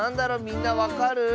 みんなわかる？